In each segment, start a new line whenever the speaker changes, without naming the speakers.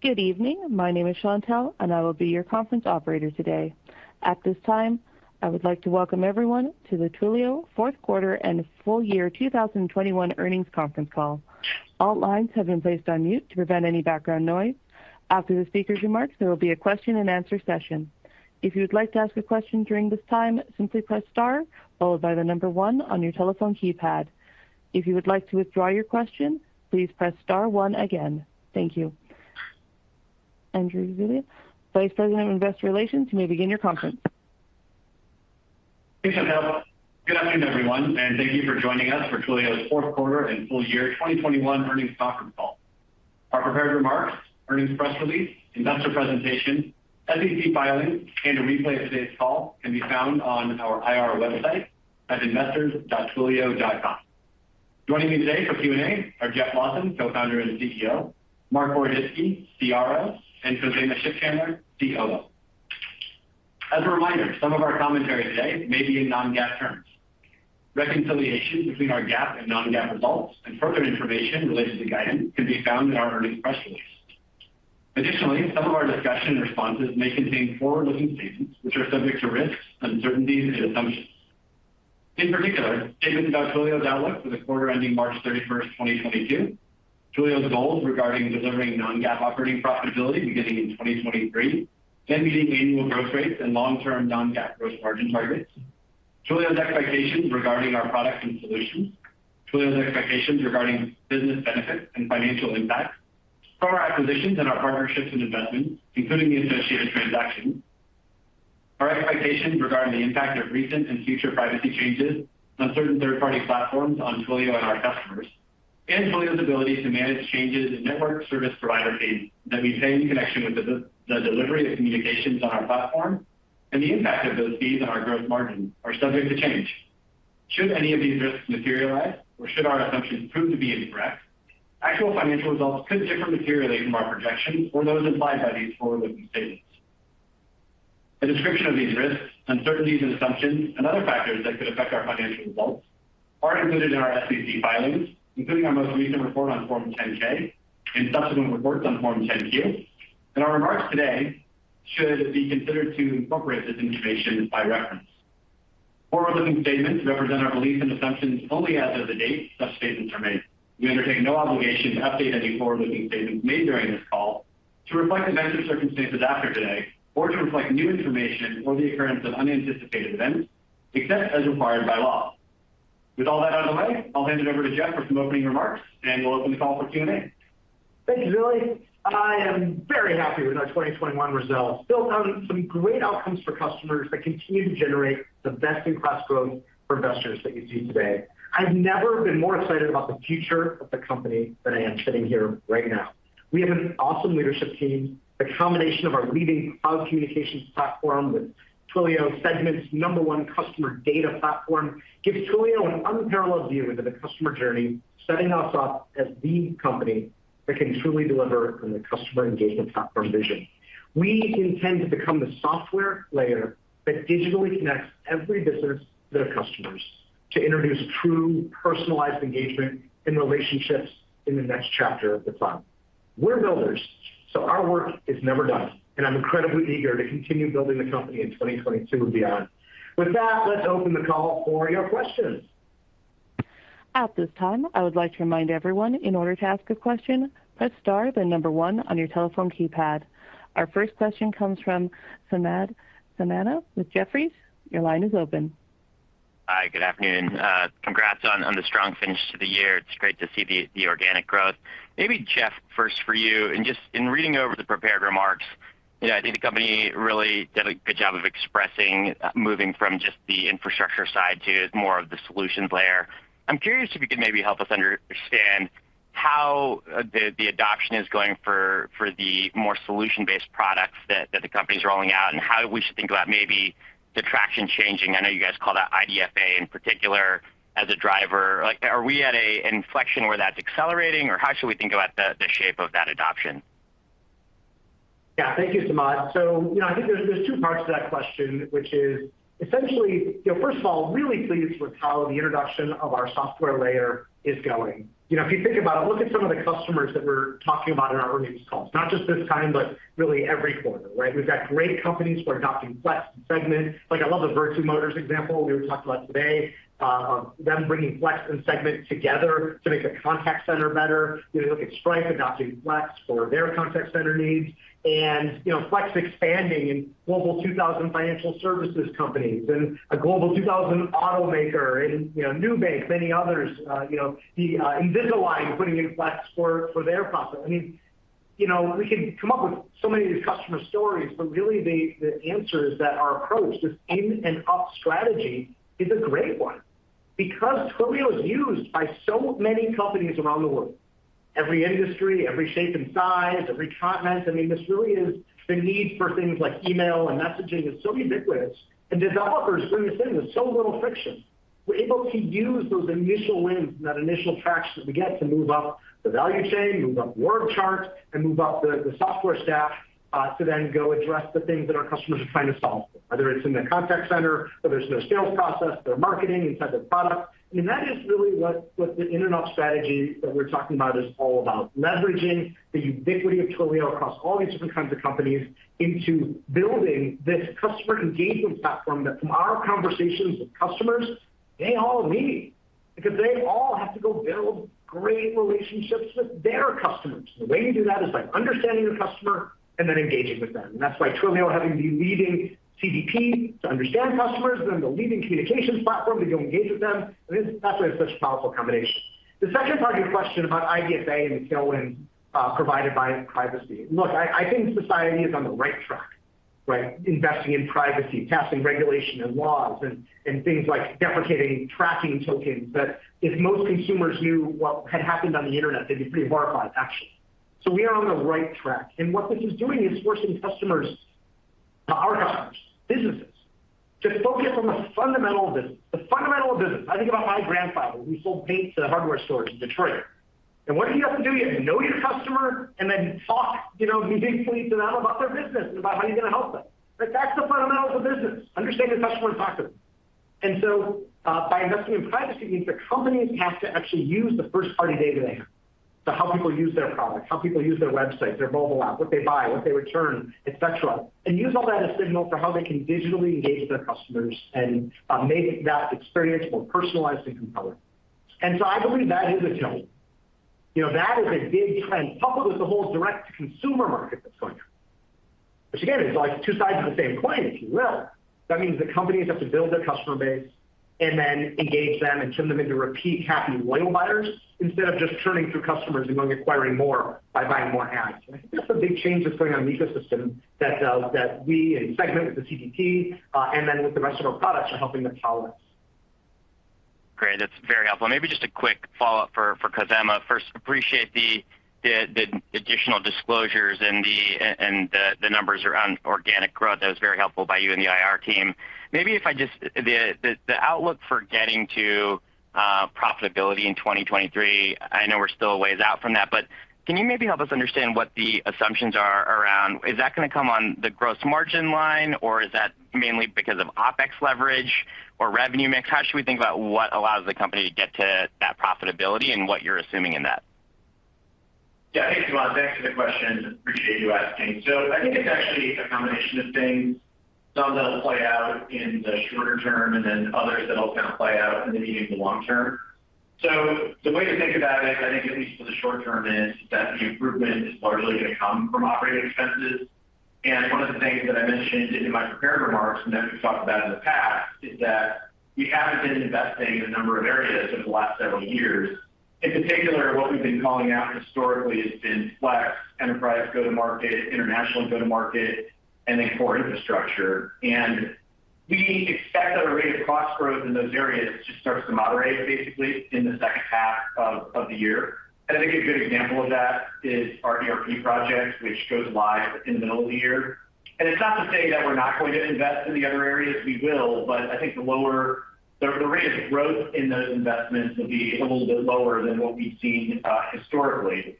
Good evening. My name is Chantelle, and I will be your conference operator today. At this time, I would like to welcome everyone to the Twilio fourth quarter and full year 2021 earnings conference call. All lines have been placed on mute to prevent any background noise. After the speaker's remarks, there will be a question-and-answer session. If you would like to ask a question during this time, simply press star followed by the number one on your telephone keypad. If you would like to withdraw your question, please press star one again. Thank you. Andrew Zilli, Vice President of Investor Relations, you may begin your conference.
Hey, Chantelle. Good evening, everyone, and thank you for joining us for Twilio's fourth quarter and full year 2021 earnings conference call. Our prepared remarks, earnings press release, investor presentation, SEC filings, and a replay of today's call can be found on our IR website at investors.twilio.com. Joining me today for Q&A are Jeff Lawson, Co-founder and CEO, Marc Boroditsky, CRO, and Khozema Shipchandler, COO. As a reminder, some of our commentary today may be in non-GAAP terms. Reconciliation between our GAAP and non-GAAP results and further information related to guidance can be found in our earnings press release. Additionally, some of our discussion responses may contain forward-looking statements which are subject to risks, uncertainties and assumptions. In particular, statements about Twilio's outlook for the quarter ending March 31, 2022, Twilio's goals regarding delivering non-GAAP operating profitability beginning in 2023, then meeting annual growth rates and long-term non-GAAP gross margin targets, Twilio's expectations regarding our products and solutions, Twilio's expectations regarding business benefits and financial impact from our acquisitions and our partnerships and investments, including the associated transactions, our expectations regarding the impact of recent and future privacy changes on certain third-party platforms on Twilio and our customers, and Twilio's ability to manage changes in network service provider fees that we pay in connection with the delivery of communications on our platform and the impact of those fees on our gross margin are subject to change. Should any of these risks materialize or should our assumptions prove to be incorrect, actual financial results could differ materially from our projections or those implied by these forward-looking statements. A description of these risks, uncertainties and assumptions and other factors that could affect our financial results are included in our SEC filings, including our most recent report on Form 10-K and subsequent results on Form 10-Q. And our remarks today should be considered to incorporate this information by reference. Foward looking statements represents our beliefs and assumptions only as of the date such statements are made. We undertake no obligation to update any forward-looking statements made during this call to reflect events or circumstances after today or to reflect new information or the occurrence of unanticipated events, except as required by law. With all that out of the way, I'll hand it over to Jeff for some opening remarks, and we'll open the call for Q&A.
Thank you, Zilli. I am very happy with our 2021 results, built on some great outcomes for customers that continue to generate the best-in-class growth for investors that you see today. I've never been more excited about the future of the company than I am sitting here right now. We have an awesome leadership team. The combination of our leading cloud communications platform with Twilio Segment's number one customer data platform gives Twilio an unparalleled view into the customer journey, setting us up as the company that can truly deliver on the customer engagement platform vision. We intend to become the software layer that digitally connects every business to their customers to introduce true personalized engagement and relationships in the next chapter of the cloud. We're builders, so our work is never done, and I'm incredibly eager to continue building the company in 2022 and beyond. With that, let's open the call for your questions.
At this time, I would like to remind everyone, in order to ask a question, press star, then number one on your telephone keypad. Our first question comes from Samad Samana with Jefferies. Your line is open.
Hi, good afternoon. Congrats on the strong finish to the year. It's great to see the organic growth. Maybe Jeff first for you. Just in reading over the prepared remarks, you know, I think the company really did a good job of expressing moving from just the infrastructure side to more of the solutions layer. I'm curious if you could maybe help us understand how the adoption is going for the more solution-based products that the company's rolling out and how we should think about maybe the traction changing. I know you guys call that IDFA in particular as a driver. Like, are we at an inflection where that's accelerating, or how should we think about the shape of that adoption?
Yeah. Thank you, Samad. I think there's two parts to that question, which is essentially, first of all, really pleased with how the introduction of our software layer is going. You know, if you think about it, look at some of the customers that we're talking about in our earnings calls, not just this time, but really every quarter, right? We've got great companies who are adopting Flex and Segment. Like a lot of Vertu Motors example we talked about today, them bringing Flex and Segment together to make the contact center better. You look at Stripe adopting Flex for their contact center needs. You know, Flex expanding in Global 2000 financial services companies and a Global 2000 automaker and, you know, Nubank, many others, you know, the, Invisalign putting in Flex for their process. I mean, you know, we could come up with so many of these customer stories, but really the answer is that our approach, this land and expand strategy is a great one because Twilio is used by so many companies around the world, every industry, every shape and size, every continent. I mean, this really is the need for things like email and messaging is so ubiquitous, and developers doing this thing with so little friction. We're able to use those initial wins and that initial traction that we get to move up the value chain, move up org chart, and move up the software stack to then go address the things that our customers are trying to solve for, whether it's in their contact center or their sales process, their marketing inside their product. I mean, that is really what the land and expand strategy that we're talking about is all about, leveraging the ubiquity of Twilio across all these different kinds of companies into building this Customer Engagement Platform that from our conversations with customers, they all need because they all have to go build great relationships with their customers. The way you do that is by understanding the customer and then engaging with them. That's why Twilio having the leading CDP to understand customers and then the leading communications platform to go engage with them, I mean, that's why it's such a powerful combination. The second part of your question about IDFA and the tailwind provided by privacy. Look, I think society is on the right track, right? Investing in privacy, passing regulation and laws and things like deprecating tracking tokens that if most consumers knew what had happened on the internet, they'd be pretty horrified actually. We are on the right track. What this is doing is forcing customers, our customers, businesses, to focus on the fundamental business. The fundamental business. I think about my grandfather who sold paint to the hardware stores in Detroit. What did he have to do? You had to know your customer and then talk, you know, meaningfully to them about their business and about how you're gonna help them. Like, that's the fundamentals of business, understand your customer and talk to them. By investing in privacy means that companies have to actually use the first-party data they have. How people use their products, how people use their website, their mobile app, what they buy, what they return, et cetera, and use all that as signal for how they can digitally engage their customers and make that experience more personalized and compelling. I believe that is a tailwind. You know, that is a big trend, coupled with the whole direct-to-consumer market that's going on. Which again, is like two sides of the same coin, if you will. That means the companies have to build their customer base and then engage them and turn them into repeat happy loyal buyers instead of just churning through customers and going acquiring more by buying more ads. I think that's a big change that's going on in the ecosystem that we and Segment with the CDP and then with the rest of our products are helping them power that.
Great. That's very helpful. Maybe just a quick follow-up for Khozema. First, appreciate the additional disclosures and the numbers around organic growth. That was very helpful by you and the IR team. The outlook for getting to profitability in 2023, I know we're still a ways out from that, but can you maybe help us understand what the assumptions are around? Is that gonna come on the gross margin line or is that mainly because of OpEx leverage or revenue mix? How should we think about what allows the company to get to that profitability and what you're assuming in that?
Yeah. Thanks, Samad. Thanks for the question. I appreciate you asking. I think it's actually a combination of things. Some that'll play out in the shorter term, and then others that'll kinda play out in the medium to long term. The way to think about it, I think at least for the short term, is that the improvement is largely gonna come from operating expenses. One of the things that I mentioned in my prepared remarks, and that we've talked about in the past, is that we have been investing in a number of areas over the last several years. In particular, what we've been calling out historically has been Flex, enterprise go-to-market, international go-to-market, and then core infrastructure. We expect that our rate of cost growth in those areas just starts to moderate basically in the second half of the year. I think a good example of that is our ERP project, which goes live in the middle of the year. It's not to say that we're not going to invest in the other areas. We will, but I think the lower rate of growth in those investments will be a little bit lower than what we've seen historically.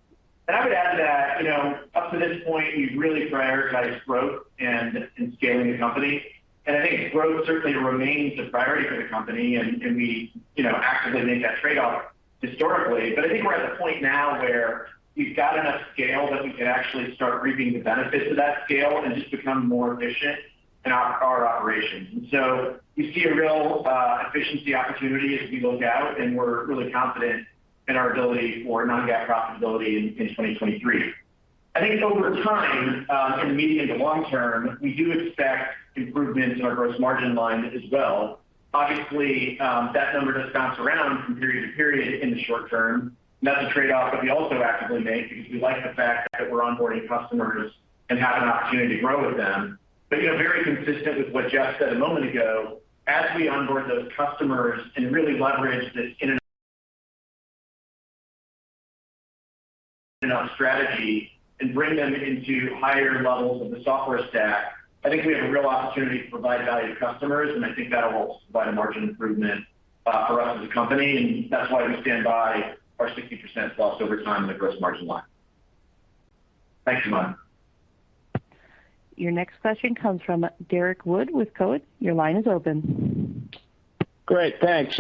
I would add that, you know, up to this point, we've really prioritized growth and scaling the company. I think growth certainly remains a priority for the company and we, you know, actively make that trade-off historically. I think we're at a point now where we've got enough scale that we can actually start reaping the benefits of that scale and just become more efficient in our operations. We see a real efficiency opportunity as we look out, and we're really confident in our ability to achieve non-GAAP profitability in 2023. I think over time, in the medium to long term, we do expect improvements in our gross margin line as well. Obviously, that number does bounce around from period to period in the short term, and that's a trade-off that we also actively make because we like the fact that we're onboarding customers and have an opportunity to grow with them. You know, very consistent with what Jeff said a moment ago, as we onboard those customers and really leverage this in and out strategy and bring them into higher levels of the software stack, I think we have a real opportunity to provide value to customers, and I think that will provide a margin improvement for us as a company, and that's why we stand by our 60%+ over time in the gross margin line. Thanks, Samad.
Your next question comes from Derrick Wood with Cowen. Your line is open.
Great, thanks.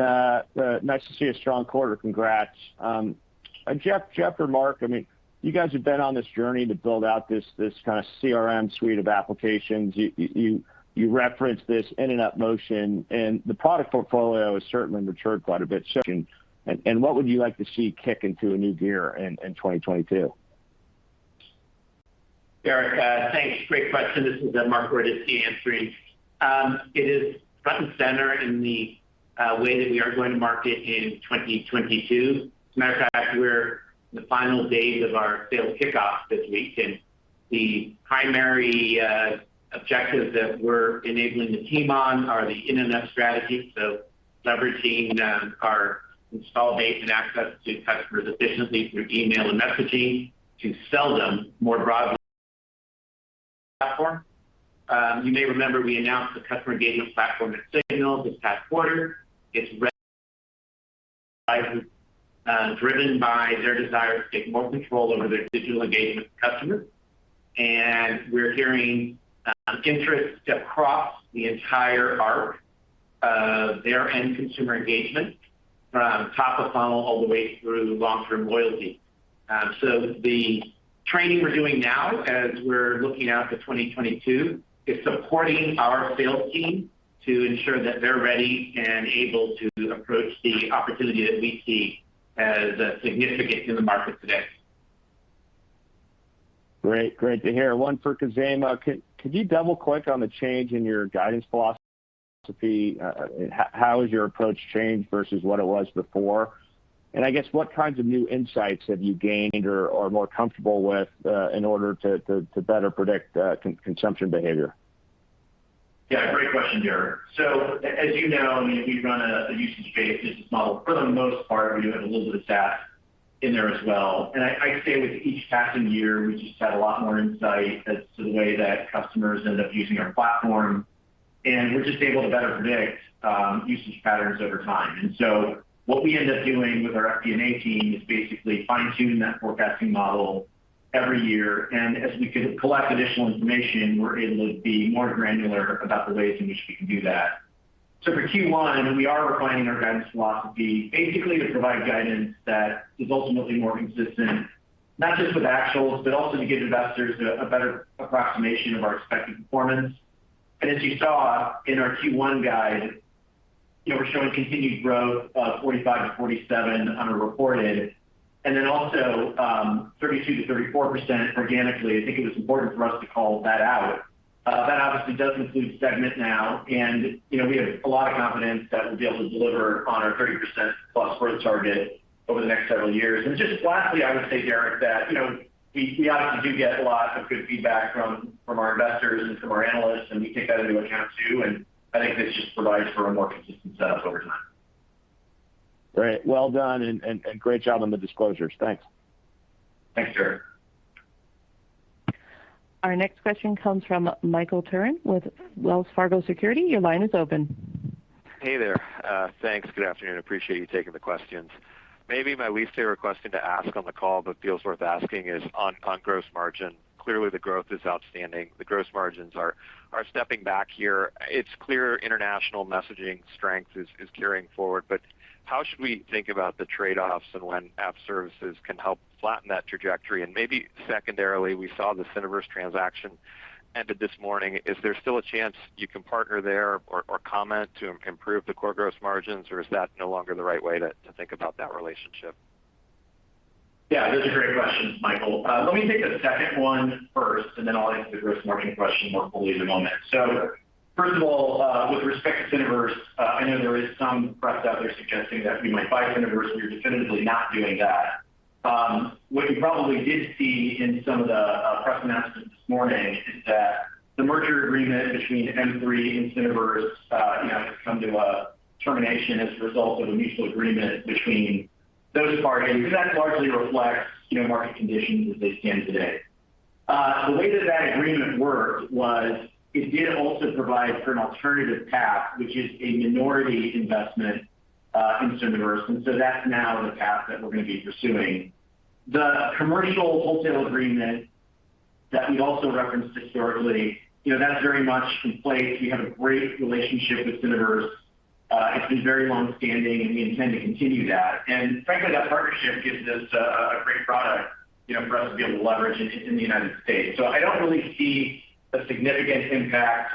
Nice to see a strong quarter. Congrats. Jeff or Marc, I mean, you guys have been on this journey to build out this kinda CRM suite of applications. You referenced this inbound and outbound motion, and the product portfolio has certainly matured quite a bit since. What would you like to see kick into a new gear in 2022?
Derrick, thanks. Great question. This is Marc Boroditsky answering. It is front and center in the way that we are going to market in 2022. As a matter of fact, we're in the final days of our sales kickoff this week, and the primary objective that we're enabling the team on are the land-and-expand strategies. Leveraging our install base and access to customers efficiently through email and messaging to sell them more broadly platform. You may remember we announced the Customer Engagement Platform at SIGNAL this past quarter. It's driven by their desire to take more control over their digital engagement with customers. We're hearing interest across the entire arc of their end consumer engagement from top of funnel all the way through long-term loyalty.
The training we're doing now, as we're looking out to 2022, is supporting our sales team to ensure that they're ready and able to approach the opportunity that we see as significant in the market today.
Great. Great to hear. One for Khozema. Can you double-click on the change in your guidance philosophy? How has your approach changed versus what it was before? I guess what kinds of new insights have you gained or are more comfortable with, in order to better predict consumption behavior?
Yeah, great question, Derek. So as you know, I mean, we run a usage-based business model for the most part. We do have a little bit of SaaS in there as well. I'd say with each passing year, we just have a lot more insight as to the way that customers end up using our platform, and we're just able to better predict usage patterns over time. What we end up doing with our FP&A team is basically fine-tune that forecasting model every year. As we can collect additional information, we're able to be more granular about the ways in which we can do that. For Q1, we are refining our guidance philosophy basically to provide guidance that is ultimately more consistent, not just with actuals, but also to give investors a better approximation of our expected performance. As you saw in our Q1 guide, you know, we're showing continued growth of 45-47 on a reported, and then also, 32%-34% organically. I think it was important for us to call that out. That obviously does include Segment now. You know, we have a lot of confidence that we'll be able to deliver on our 30%+ growth target over the next several years. Just lastly, I would say, Derek, that, you know, we obviously do get a lot of good feedback from our investors and from our analysts, and we take that into account too. I think this just provides for a more consistent setup over time.
Great. Well done and great job on the disclosures. Thanks.
Thanks, Derrick.
Our next question comes from Michael Turrin with Wells Fargo Securities. Your line is open.
Hey there. Thanks. Good afternoon. Appreciate you taking the questions. Maybe my least favorite question to ask on the call, but feels worth asking is on gross margin. Clearly, the growth is outstanding. The gross margins are stepping back here. It's clear international messaging strength is carrying forward. How should we think about the trade-offs and when app services can help flatten that trajectory? And maybe secondarily, we saw the Syniverse transaction ended this morning. Is there still a chance you can partner there or comment to improve the core gross margins, or is that no longer the right way to think about that relationship?
Yeah, those are great questions, Michael. Let me take the second one first, and then I'll answer the gross margin question more fully in a moment. First of all, with respect to Syniverse, I know there is some press out there suggesting that we might buy Syniverse. We are definitively not doing that. What you probably did see in some of the press announcements this morning is that the merger agreement between M3 and Syniverse, you know, has come to a termination as a result of a mutual agreement between those parties, because that largely reflects, you know, market conditions as they stand today. The way that that agreement worked was it did also provide for an alternative path, which is a minority investment in Syniverse. That's now the path that we're gonna be pursuing. The commercial wholesale agreement that we also referenced historically, you know, that's very much in place. We have a great relationship with Syniverse. It's been very long-standing, and we intend to continue that. Frankly, that partnership gives us a great product, you know, for us to be able to leverage in the United States. I don't really see a significant impact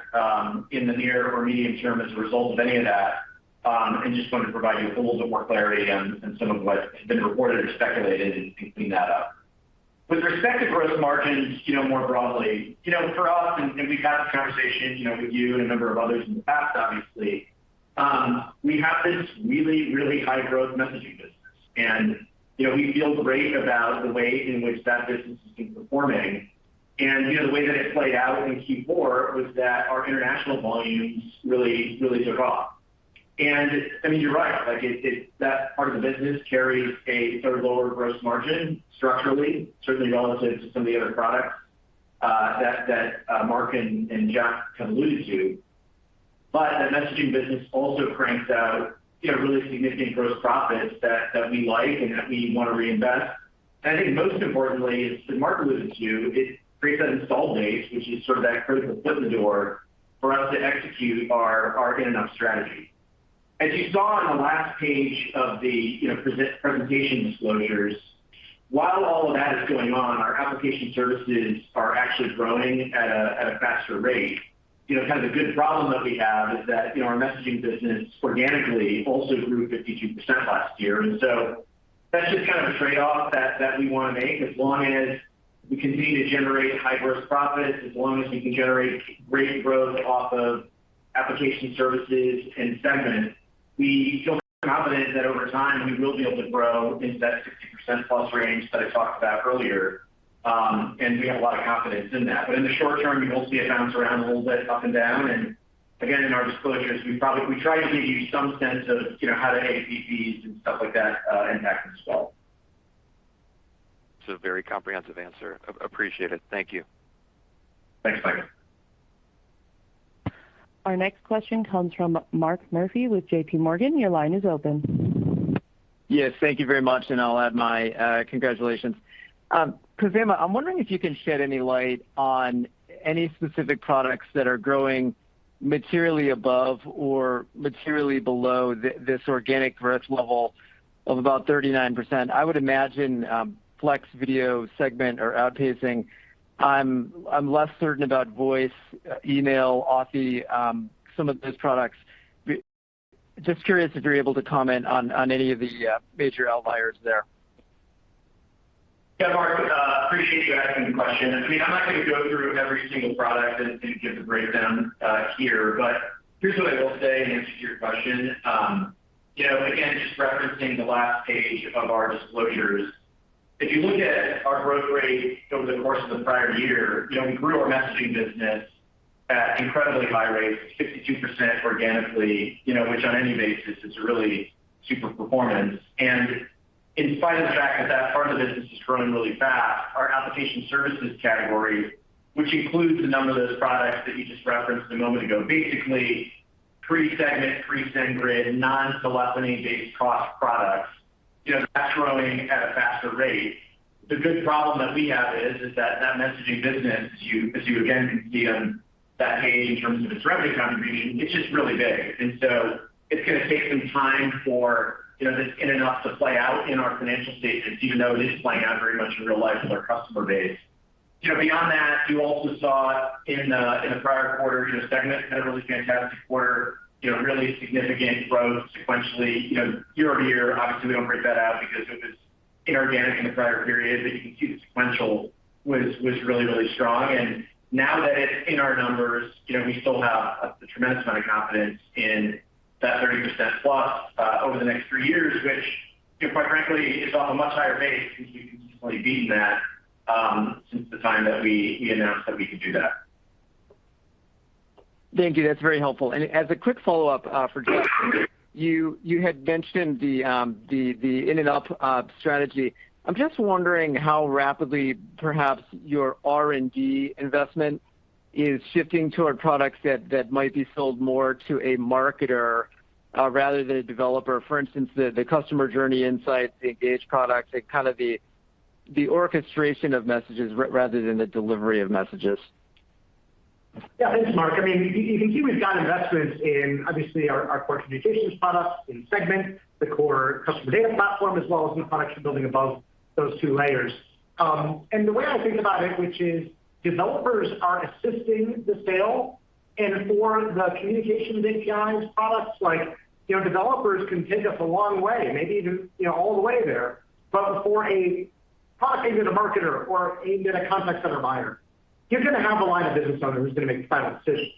in the near or medium term as a result of any of that. I just wanted to provide you a little bit more clarity on some of what has been reported or speculated and clean that up. With respect to gross margins, you know, more broadly, you know, for us, and we've had this conversation, you know, with you and a number of others in the past, obviously, we have this really, really high-growth messaging business. You know, we feel great about the way in which that business has been performing. You know, the way that it played out in Q4 was that our international volumes really, really took off. I mean, you're right, like, that part of the business carries a sort of lower gross margin structurally, certainly relative to some of the other products that Marc and Jack can allude to. That messaging business also cranks out, you know, really significant gross profits that we like and that we want to reinvest. I think most importantly, as Marc alluded to, it creates that install base, which is sort of that critical foot in the door for us to execute our end-to-end strategy.
As you saw on the last page of the, you know, presentation disclosures, while all of that is going on, our application services are actually growing at a faster rate. You know, kind of the good problem that we have is that, you know, our messaging business organically also grew 52% last year. That's just kind of a trade-off that we wanna make as long as we continue to generate high gross profits, as long as we can generate great growth off of application services and Segment, we feel confident that over time, we will be able to grow into that 60%+ range that I talked about earlier.
We have a lot of confidence in that. In the short term, you will see it bounce around a little bit up and down. Again, in our disclosures, we try to give you some sense of, you know, how the APIs and stuff like that impact as well.
It's a very comprehensive answer. Appreciate it. Thank you.
Thanks, Mike.
Our next question comes from Mark Murphy with J.P. Morgan. Your line is open.
Yes, thank you very much, and I'll add my congratulations. Khozema, I'm wondering if you can shed any light on any specific products that are growing materially above or materially below this organic growth level of about 39%. I would imagine Flex, Video, Segment are outpacing. I'm less certain about voice, email, Authy, some of those products. Just curious if you're able to comment on any of the major outliers there.
Yeah, Mark, appreciate you asking the question. I mean, I'm not going to go through every single product and give the breakdown here, but here's what I will say in answer to your question. You know, again, just referencing the last page of our disclosures. If you look at our growth rate over the course of the prior year, you know, we grew our messaging business at incredibly high rates, 52% organically, you know, which on any basis is a really super performance. In spite of the fact that that part of the business is growing really fast, our application services category, which includes a number of those products that you just referenced a moment ago, basically pre-Segment, pre-SendGrid, non-telephony-based cost products, you know, that's growing at a faster rate. The good problem that we have is that messaging business, as you again can see on that page in terms of its revenue contribution, it's just really big. It's gonna take some time for, you know, this in and out to play out in our financial statements, even though it is playing out very much in real life with our customer base. You know, beyond that, you also saw in the prior quarter, you know, Segment had a really fantastic quarter, you know, really significant growth sequentially, you know, year over year. Obviously, we don't break that out because it was inorganic in the prior period, but you can see the sequential was really strong. Now that it's in our numbers, you know, we still have a tremendous amount of confidence in that 30% plus over the next three years, which, you know, quite frankly, is on a much higher base since we've consistently beaten that since the time that we announced that we could do that.
Thank you. That's very helpful. As a quick follow-up, for Jeff, you had mentioned the land and expand strategy. I'm just wondering how rapidly perhaps your R&D investment is shifting toward products that might be sold more to a marketer rather than a developer. For instance, the customer journey insights, the Engage products, and kind of the orchestration of messages rather than the delivery of messages.
Yeah. Thanks, Mark. I mean, you can see we've got investments in obviously our core communications products in Segment, the core customer data platform, as well as new products we're building above those two layers. The way I think about it, which is developers are assisting the sale, and for the communications APIs products, like, you know, developers can take us a long way, maybe even, you know, all the way there. But for a product aimed at a marketer or aimed at a contact center buyer, you're gonna have a line of business owner who's gonna make the final decision.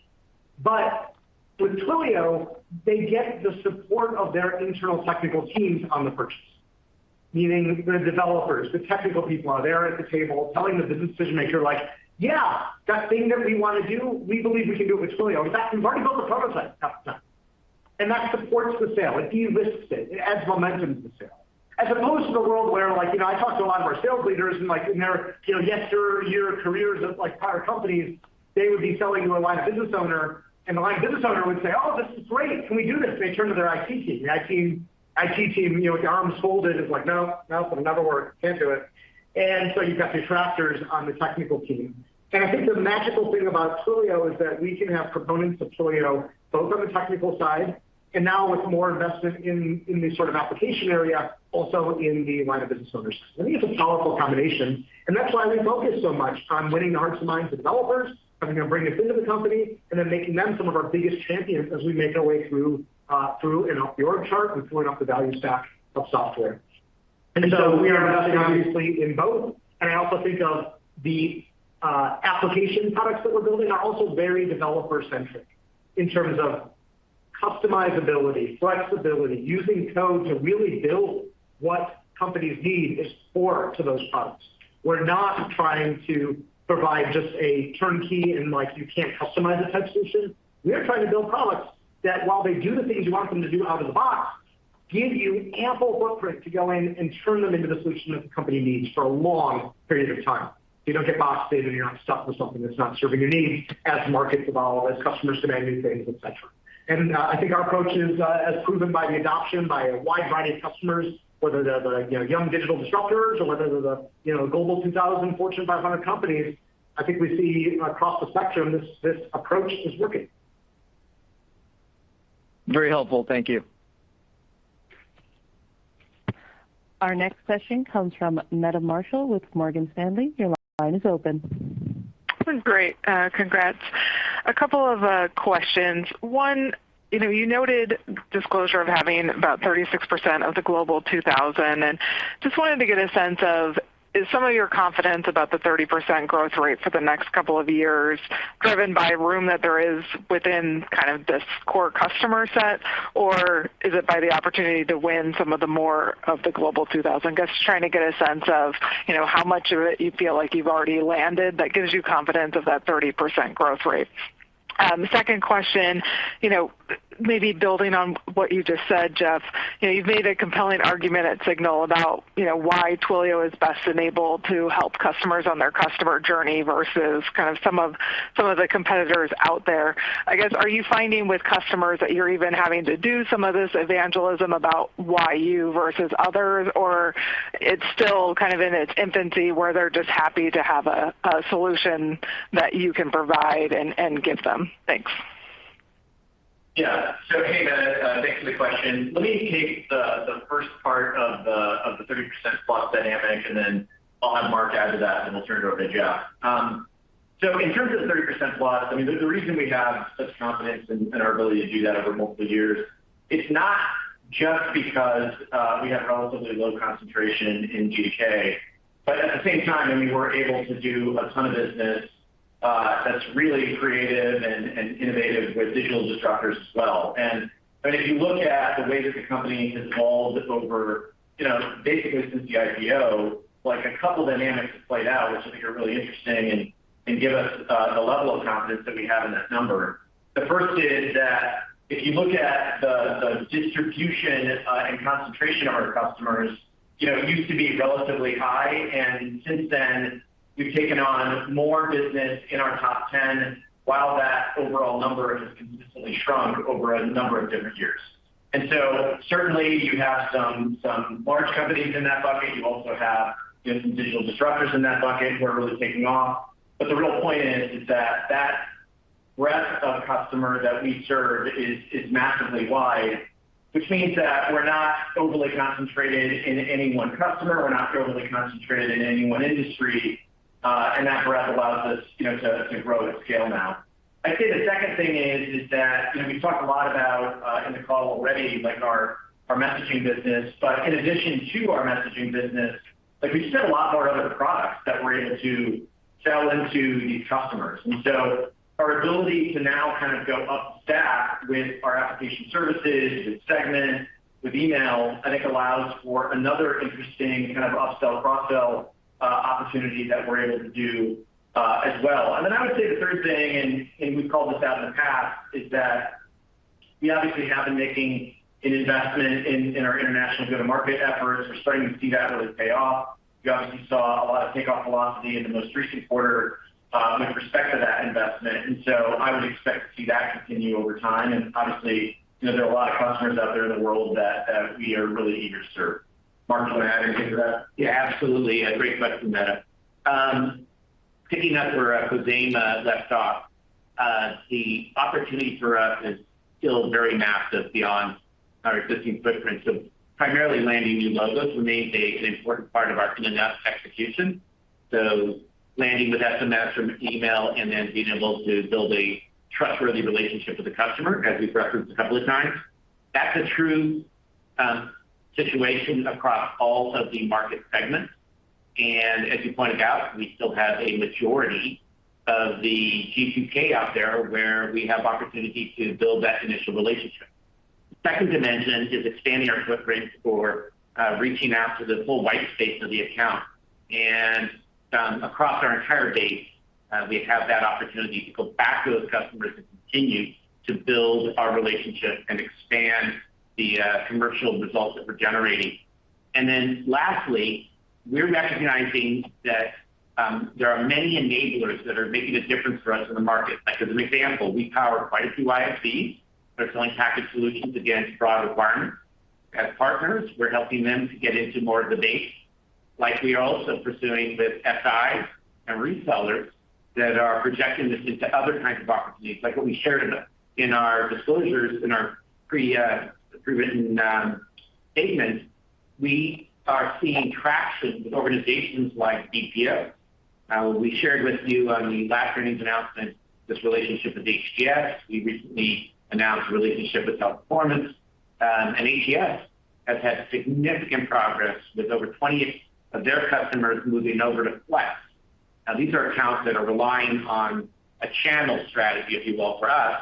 But with Twilio, they get the support of their internal technical teams on the purchase. Meaning the developers, the technical people are there at the table telling the business decision maker like, "Yeah, that thing that we want to do, we believe we can do it with Twilio. In fact, we've already built a prototype." That supports the sale. It de-risks it. It adds momentum to the sale. As opposed to the world where, like, you know, I talk to a lot of our sales leaders and, like, in their, you know, yesteryear careers at, like, prior companies, they would be selling to a line of business owner, and the line of business owner would say, "Oh, this is great. Can we do this?" They turn to their IT team. The IT team, you know, with their arms folded is like, "No, no, it'll never work. Can't do it." You've got detractors on the technical team. I think the magical thing about Twilio is that we can have proponents of Twilio both on the technical side and now with more investment in the sort of application area, also in the line of business owners. I think it's a powerful combination, and that's why we focus so much on winning the hearts and minds of developers, having them bring us into the company, and then making them some of our biggest champions as we make our way through and up the org chart and pulling up the value stack of software. We are investing obviously in both. I also think of the application products that we're building are also very developer-centric in terms of customizability, flexibility, using code to really build what companies need is core to those products. We're not trying to provide just a turnkey and, like, you can't customize it type solution. We are trying to build products that while they do the things you want them to do out of the box, give you ample footprint to go in and turn them into the solution that the company needs for a long period of time. You don't get boxed in, and you're not stuck with something that's not serving your needs as markets evolve, as customers demand new things, et cetera. I think our approach is, as proven by the adoption by a wide variety of customers, whether they're the, you know, young digital disruptors or whether they're the, you know, Global 2000, Fortune 500 companies, I think we see across the spectrum this approach is working.
Very helpful. Thank you.
Our next question comes from Meta Marshall with Morgan Stanley. Your line is open.
Great. Congrats. A couple of questions. One, you know, you noted disclosure of having about 36% of the Global 2000, and just wanted to get a sense of, is some of your confidence about the 30% growth rate for the next couple of years driven by room that there is within kind of this core customer set? Or is it by the opportunity to win some of the more of the Global 2000? Just trying to get a sense of, you know, how much of it you feel like you've already landed that gives you confidence of that 30% growth rate. The second question, you know, maybe building on what you just said, Jeff, you know, you've made a compelling argument at SIGNAL about, you know, why Twilio is best enabled to help customers on their customer journey versus kind of some of the competitors out there. I guess, are you finding with customers that you're even having to do some of this evangelism about why you versus others? Or it's still kind of in its infancy, where they're just happy to have a solution that you can provide and give them. Thanks.
Yeah. Hey, Meta, thanks for the question. Let me take the first part of the 30%+ dynamic, and then I'll have Marc add to that, and we'll turn it over to Jeff. In terms of the 30%+, I mean, the reason we have such confidence in our ability to do that over multiple years is not just because we have relatively low concentration in G2K, but at the same time, I mean, we're able to do a ton of business that's really creative and innovative with digital disruptors as well. If you look at the way that the company has evolved over, you know, basically since the IPO, like, a couple dynamics have played out, which I think are really interesting and give us the level of confidence that we have in that number. The first is that if you look at the distribution and concentration of our customers, you know, it used to be relatively high, and since then we've taken on more business in our top 10, while that overall number has consistently shrunk over a number of different years. Certainly you have some large companies in that bucket. You also have, you know, some digital disruptors in that bucket who are really taking off. The real point is that that breadth of customer that we serve is massively wide, which means that we're not overly concentrated in any one customer. We're not overly concentrated in any one industry, and that breadth allows us, you know, to grow at scale now. I'd say the second thing is that, you know, we've talked a lot about in the call already, like our messaging business. In addition to our messaging business, like we sell a lot more other products that we're able to sell into these customers. Our ability to now kind of go up stack with our application services, with Segment, with email, I think allows for another interesting kind of upsell, cross-sell opportunity that we're able to do as well. I would say the third thing, and we've called this out in the past, is that we obviously have been making an investment in our international go-to-market efforts. We're starting to see that really pay off. You obviously saw a lot of takeoff velocity in the most recent quarter, with respect to that investment, and so I would expect to see that continue over time. Obviously, you know, there are a lot of customers out there in the world that we are really eager to serve. Marc, do you want to add anything to that?
Yeah, absolutely. Great question, Meta. Picking up where Khozema left off, the opportunity for us is still very massive beyond our existing footprint. Primarily landing new logos remains an important part of our go-to-market execution. Landing with SMS or email and then being able to build a trustworthy relationship with the customer, as we've referenced a couple of times. That's a true situation across all of the market segments. As you pointed out, we still have a majority of the G2K out there where we have opportunity to build that initial relationship. The second dimension is expanding our footprint for reaching out to the full white space of the account. Across our entire base, we have that opportunity to go back to those customers and continue to build our relationship and expand the commercial results that we're generating. Lastly, we're recognizing that there are many enablers that are making a difference for us in the market. Like, as an example, we power quite a few ISVs that are selling package solutions against broad requirements. As partners, we're helping them to get into more of the base, like we are also pursuing with SIs and resellers that are projecting this into other kinds of opportunities, like what we shared in our disclosures in our pre-written statement. We are seeing traction with organizations like BPO. We shared with you on the last earnings announcement this relationship with HGS. We recently announced a relationship with Teleperformance. HGS has had significant progress with over 20 of their customers moving over to Flex. Now, these are accounts that are relying on a channel strategy, if you will, for us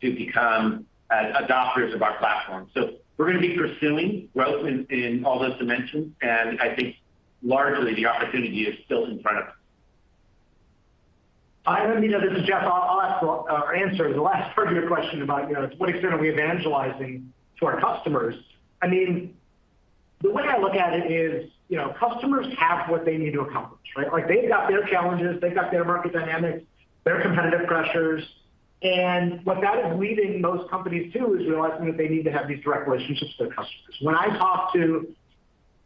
to become adopters of our platform. We're going to be pursuing growth in all those dimensions, and I think largely the opportunity is still in front of us.
Hi, everybody, this is Jeff. I'll answer the last part of your question about, you know, to what extent are we evangelizing to our customers. I mean, the way I look at it is, you know, customers have what they need to accomplish, right? Like, they've got their challenges, they've got their market dynamics, their competitive pressures. What that is leading most companies to is realizing that they need to have these direct relationships with their customers. When I talk to,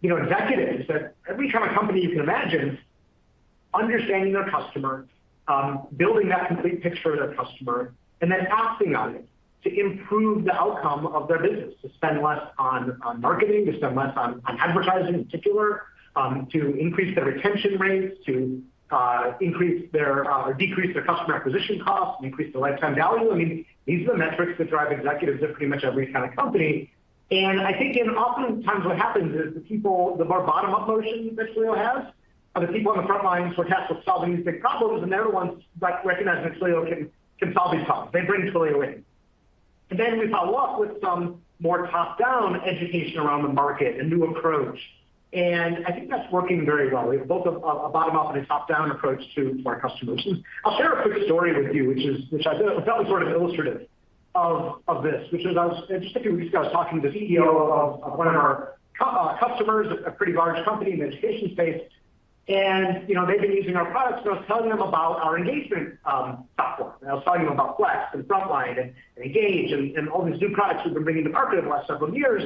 you know, executives at every kind of company you can imagine, understanding their customer, building that complete picture of their customer, and then acting on it to improve the outcome of their business, to spend less on marketing, to spend less on advertising in particular, to increase their retention rates, to increase their or decrease their customer acquisition costs and increase their lifetime value. I mean, these are the metrics that drive executives at pretty much every kind of company. I think in oftentimes what happens is the people, the more bottom-up motion that Twilio has are the people on the front lines who are tasked with solving these big problems, and they're the ones recognizing that Twilio can solve these problems. They bring Twilio in. Then we follow up with some more top-down education around the market, a new approach. I think that's working very well. We have both a bottom-up and a top-down approach to our customers. I'll share a quick story with you, which I think is definitely sort of illustrative of this. Interestingly, this week I was talking to the CEO of one of our customers, a pretty large company in the education space. You know, they've been using our products, so I was telling them about our engagement platform. I was telling them about Flex and Frontline and Engage and all these new products we've been bringing to market in the last several years.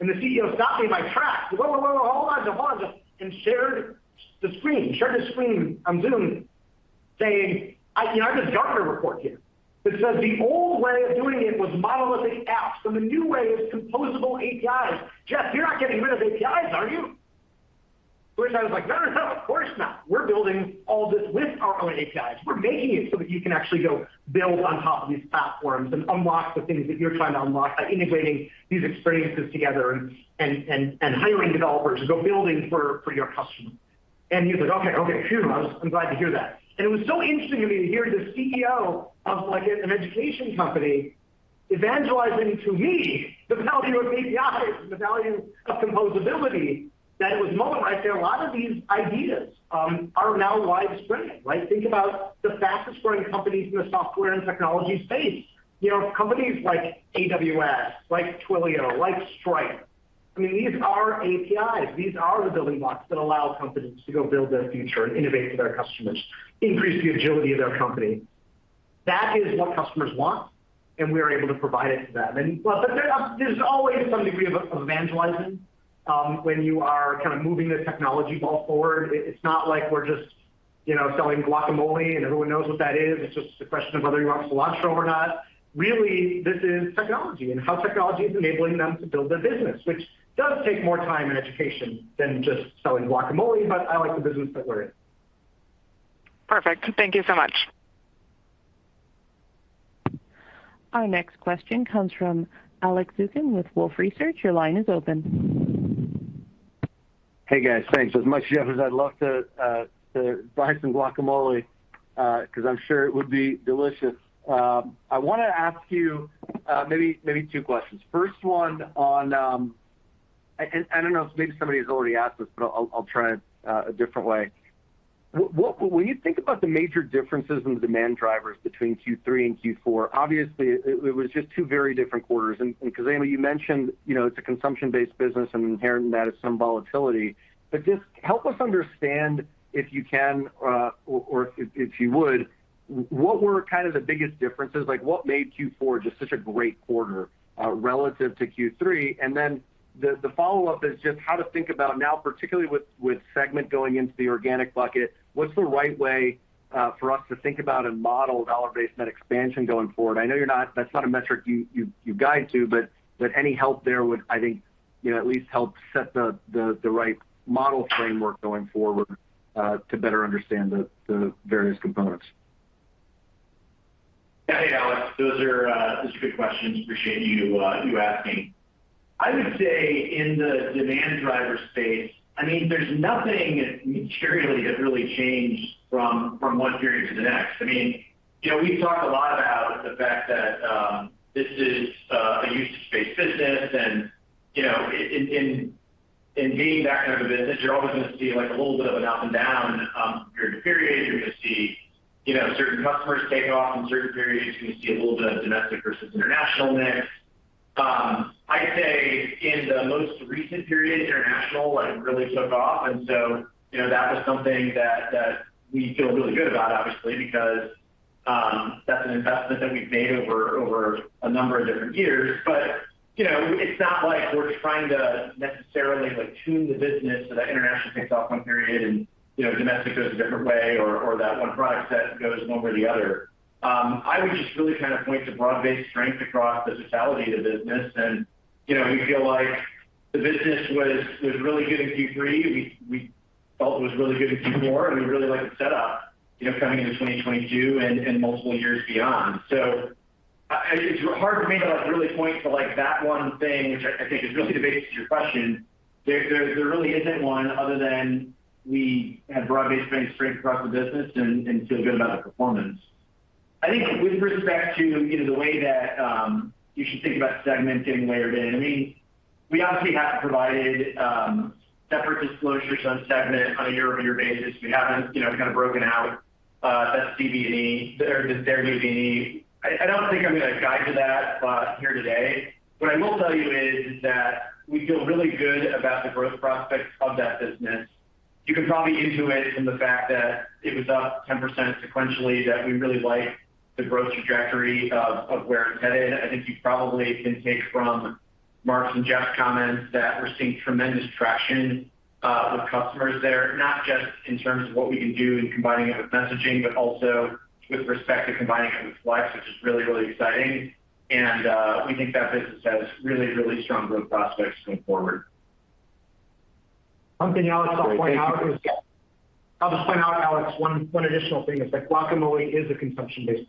The CEO stopped me in my tracks. He goes, "Whoa, whoa, hold on. Hold on," and shared his screen on Zoom saying, "I, you know, I have this Gartner report here that says the old way of doing it was monolithic apps, and the new way is composable APIs. Jeff, you're not getting rid of APIs, are you?" Which I was like, "No, no, of course not. We're building all this with our own APIs. We're making it so that you can actually go build on top of these platforms and unlock the things that you're trying to unlock by integrating these experiences together and hiring developers to go building for your customers." And he was like, "Okay, okay, phew. I'm glad to hear that." It was so interesting to me to hear the CEO of, like, an education company evangelizing to me the value of APIs and the value of composability. That it was a moment where I said a lot of these ideas are now widespread. Right? Think about the fastest-growing companies in the software and technology space. You know, companies like AWS, like Twilio, like Stripe. I mean, these are APIs. These are the building blocks that allow companies to go build their future and innovate with their customers, increase the agility of their company. That is what customers want, and we are able to provide it to them. Well, but there's always some degree of evangelizing when you are kind of moving the technology ball forward. It's not like we're just, you know, selling guacamole, and everyone knows what that is. It's just a question of whether you want cilantro or not. Really, this is technology and how technology is enabling them to build their business, which does take more time and education than just selling guacamole, but I like the business that we're in.
Perfect. Thank you so much. Our next question comes from Alex Zukin with Wolfe Research. Your line is open.
Hey, guys. Thanks so much, Jeff, as I'd love to buy some guacamole because I'm sure it would be delicious. I want to ask you maybe two questions. First one on. I don't know if maybe somebody has already asked this, but I'll try it a different way. When you think about the major differences in the demand drivers between Q3 and Q4, obviously it was just two very different quarters. Khozema, you mentioned, you know, it's a consumption-based business, and inherent in that is some volatility. But just help us understand, if you can, or if you would, what were kind of the biggest differences. Like, what made Q4 just such a great quarter relative to Q3. Then the follow-up is just how to think about now, particularly with Segment going into the organic bucket, what's the right way for us to think about and model dollar-based net expansion going forward? I know that's not a metric you guide to, but any help there would, I think, you know, at least help set the right model framework going forward, to better understand the various components.
Yeah. Hey, Alex. Those are good questions. Appreciate you asking. I would say in the demand driver space, I mean, there's nothing materially that really changed from one period to the next. I mean, you know, we've talked a lot about the fact that this is a usage-based business and, you know, being that kind of a business, you're always gonna see, like, a little bit of an up and down period to period. You're gonna see, you know, certain customers take off in certain periods. You're gonna see a little bit of domestic versus international mix. I'd say in the most recent period, international, like, really took off. You know, that was something that we feel really good about obviously because that's an investment that we've made over a number of different years. You know, it's not like we're trying to necessarily, like, tune the business so that international takes off one period and, you know, domestic goes a different way or that one product set goes one way or the other. I would just really kind of point to broad-based strength across the totality of the business. You know, we feel like the business was really good in Q3. We felt it was really good in Q4, and we really like the setup, you know, coming into 2022 and multiple years beyond. It's hard for me to like really point to, like, that one thing, which I think is really the basis of your question. There really isn't one other than we have broad-based strength across the business and feel good about the performance. I think with respect to, you know, the way that you should think about segments getting layered in, I mean, we obviously have provided separate disclosures on segments on a year-over-year basis. We haven't, you know, kind of broken out DBNE or the DBNR. I don't think I'm gonna guide to that spot here today. What I will tell you is that we feel really good about the growth prospects of that business. You can probably intuit from the fact that it was up 10% sequentially that we really like the growth trajectory of where it's headed. I think you probably can take from Mark's and Jeff's comments that we're seeing tremendous traction with customers there, not just in terms of what we can do in combining it with messaging, but also with respect to combining it with Flex, which is really, really exciting. We think that business has really, really strong growth prospects going forward.
Great. Thank you. I'll just point out, Alex, one additional thing is that Segment is a consumption-based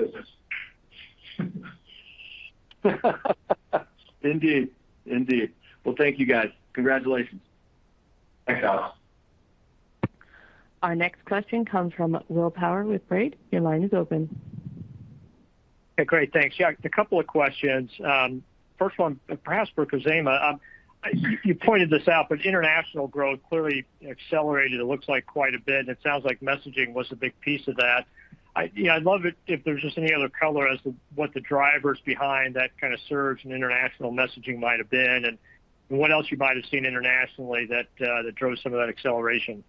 business.
Indeed. Well, thank you, guys. Congratulations.
Thanks, Alex.
Our next question comes from Will Power with Baird. Your line is open.
Okay, great. Thanks. Yeah, a couple of questions. First one perhaps for Khozema. You pointed this out, but international growth clearly accelerated. It looks like quite a bit, and it sounds like messaging was a big piece of that. You know, I'd love it if there's just any other color as to what the drivers behind that kind of surge in international messaging might have been, and what else you might have seen internationally that drove some of that acceleration.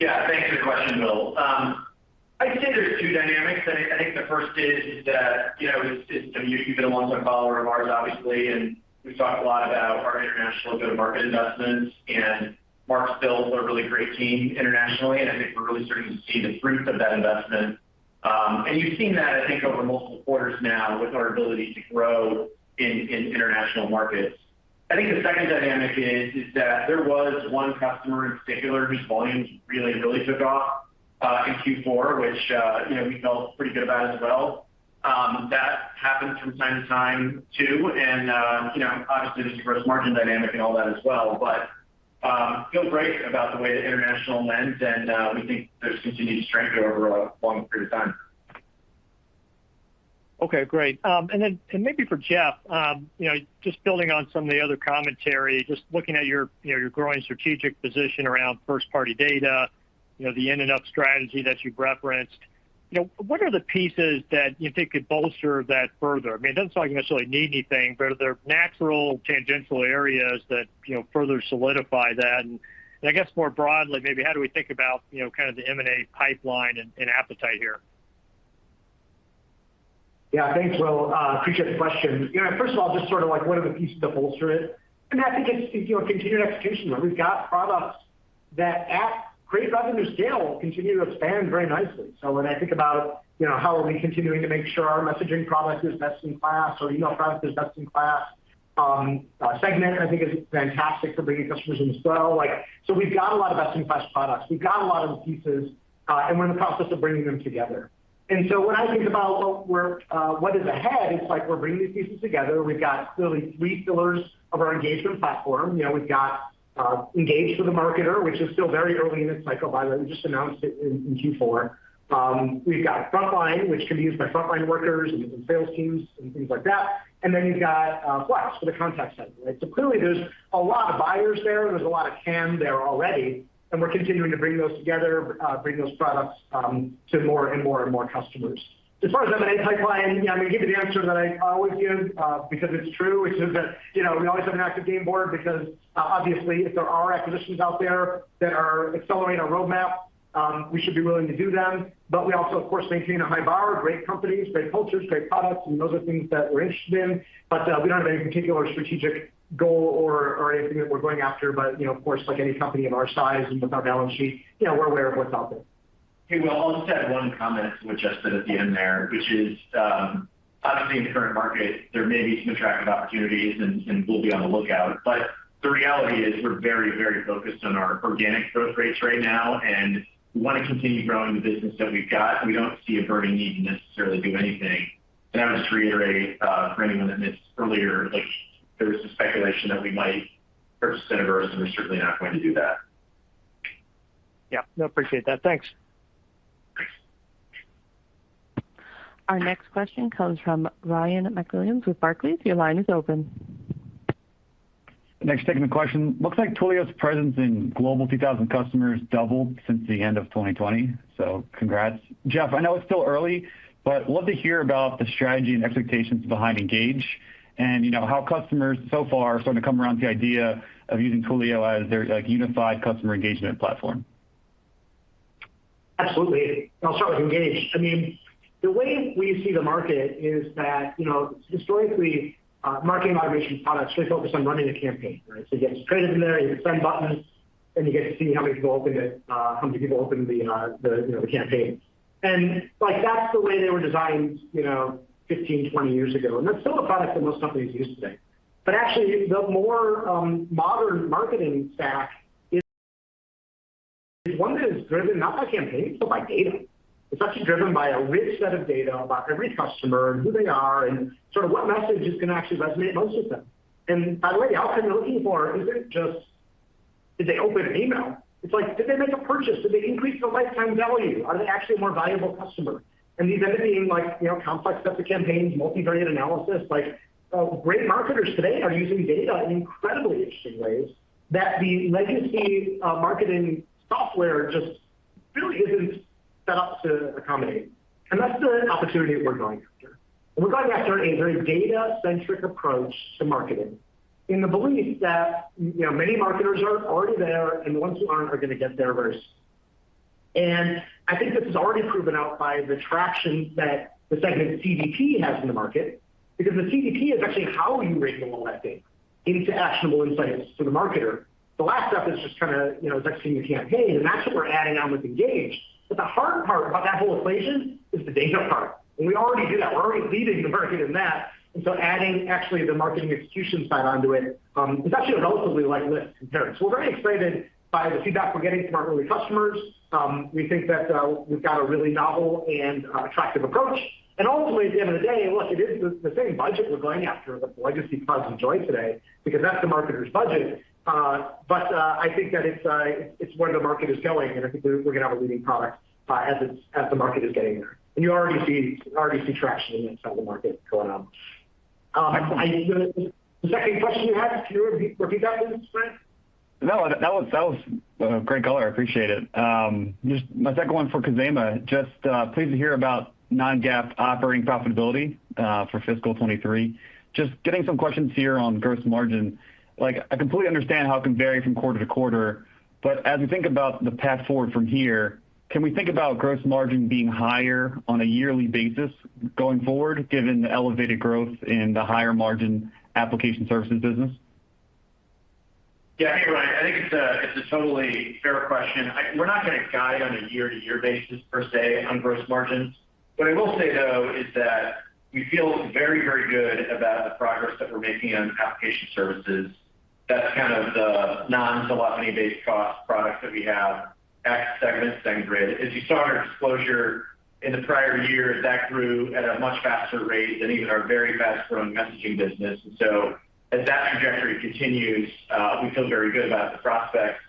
Yeah. Thanks for the question, Will. I'd say there's two dynamics. I think the first is that, you know, it's. You've been a long-term follower of ours, obviously, and we've talked a lot about our international go-to-market investments. Marc's built a really great team internationally, and I think we're really starting to see the fruits of that investment. You've seen that, I think, over multiple quarters now with our ability to grow in international markets. I think the second dynamic is that there was one customer in particular whose volumes really took off in Q4, which you know, we felt pretty good about as well. That happens from time to time, too. You know, obviously, there's a gross margin dynamic in all that as well. Feel great about the way the international lands, and we think there's continued strength over a long period of time.
Okay, great. Maybe for Jeff, you know, just building on some of the other commentary, just looking at your, you know, your growing strategic position around first-party data, you know, the end-to-end strategy that you've referenced. You know, what are the pieces that you think could bolster that further? I mean, it doesn't sound like you necessarily need anything, but are there natural tangential areas that, you know, further solidify that? I guess more broadly, maybe how do we think about, you know, kind of the M&A pipeline and appetite here?
Yeah. Thanks, Will. Appreciate the question. You know, first of all, just sort of like what are the pieces to bolster it? I think it's, you know, continued execution where we've got products that at great revenue scale will continue to expand very nicely. When I think about, you know, how are we continuing to make sure our messaging product is best in class or email product is best in class. Segment, I think, is fantastic for bringing customers in as well. Like, we've got a lot of best-in-class products. We've got a lot of the pieces, and we're in the process of bringing them together. When I think about what is ahead, it's like we're bringing these pieces together. We've got really three pillars of our engagement platform. You know, we've got Engage for the marketer, which is still very early in its cycle by the way. We just announced it in Q4. We've got Frontline, which can be used by frontline workers and even sales teams and things like that. You've got Flex for the contact center, right? Clearly, there's a lot of buyers there. There's a lot of TAM there already, and we're continuing to bring those together, bring those products to more and more and more customers. As far as M&A pipeline, you know, I'm gonna give you the answer that I always give because it's true, which is that, you know, we always have an active game board because obviously if there are acquisitions out there that are accelerating our roadmap, we should be willing to do them. We also, of course, maintain a high bar, great companies, great cultures, great products, and those are things that we're interested in. We don't have any particular strategic goal or anything that we're going after. You know, of course, like any company of our size and with our balance sheet, you know, we're aware of what's out there.
Hey, Will. I'll just add one comment to what Jeff said at the end there, which is, obviously in the current market, there may be some attractive opportunities and we'll be on the lookout. But the reality is we're very, very focused on our organic growth rates right now and want to continue growing the business that we've got, and we don't see a burning need to necessarily do anything. I would just reiterate, for anyone that missed earlier, like there was a speculation that we might purchase Syniverse, and we're certainly not going to do that.
Yeah. No, appreciate that. Thanks.
Our next question comes from Ryan MacWilliams with Barclays. Your line is open.
Thanks for taking the question. Looks like Twilio's presence in Global 2000 customers doubled since the end of 2020, so congrats. Jeff, I know it's still early, but love to hear about the strategy and expectations behind Engage and, you know, how customers so far are starting to come around to the idea of using Twilio as their, like, unified customer engagement platform.
Absolutely. I'll start with Engage. I mean, the way we see the market is that, you know, historically, marketing automation products really focus on running a campaign, right? You have your credits in there, you have your send buttons, and you get to see how many people open it, how many people open the campaign. Like, that's the way they were designed, you know, 15, 20 years ago. That's still a product that most companies use today. Actually, the more modern marketing stack is one that is driven not by campaigns but by data. It's actually driven by a rich set of data about every customer and who they are and sort of what message is gonna actually resonate most with them. By the way, the outcome you're looking for isn't just did they open an email? It's like, did they make a purchase? Did they increase their lifetime value? Are they actually a more valuable customer? These end up being like, you know, complex sets of campaigns, multivariate analysis. Like, great marketers today are using data in incredibly interesting ways that the legacy, marketing software just really isn't set up to accommodate. That's the opportunity that we're going after. We're going after a very data-centric approach to marketing in the belief that, you know, many marketers are already there, and the ones who aren't are gonna get there very soon. I think this is already proven out by the traction that the Segment CDP has in the market. Because the CDP is actually how you raise all that data into actionable insights for the marketer. The last step is just kinda, you know, executing your campaign, and that's what we're adding on with Engage. The hard part about that whole equation is the data part, and we already do that. We're already leading the market in that. Adding actually the marketing execution side onto it is actually a relatively light lift compared. We're very excited by the feedback we're getting from our early customers. We think that we've got a really novel and attractive approach. Ultimately, at the end of the day, look, it is the same budget we're going after, the legacy products enjoy today because that's the marketer's budget. I think that it's where the market is going, and I think we're gonna have a leading product as the market is getting there. You already see traction inside the market going on. Is that any question you had? Can you repeat that, Ryan?
No, that was great color. I appreciate it. Just my second one for Khozema, just pleased to hear about non-GAAP operating profitability for fiscal 2023. Just getting some questions here on gross margin. Like, I completely understand how it can vary from quarter to quarter, but as we think about the path forward from here, can we think about gross margin being higher on a yearly basis going forward, given the elevated growth in the higher margin application services business?
Yeah. Hey, Ryan. I think it's a totally fair question. We're not going to guide on a year-to-year basis per se on gross margins. What I will say, though, is that we feel very, very good about the progress that we're making on application services. That's kind of the non-telephony-based cost product that we have, Segment, SendGrid. As you saw in our disclosure in the prior year, that grew at a much faster rate than even our very fast-growing messaging business. As that trajectory continues, we feel very good about the prospects